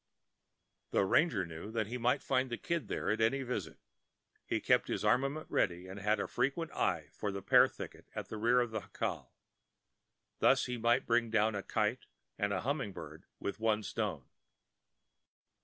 The ranger knew that he might find the Kid there at any visit. He kept his armament ready, and had a frequent eye for the pear thicket at the rear of the jacal. Thus he might bring down the kite and the humming bird with one stone.